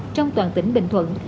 trong toàn tỉnh bình thuận